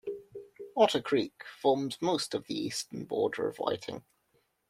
Otter Creek forms most of the eastern border of Whiting.